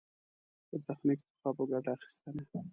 له تخنيک څخه په ګټه اخېستنه.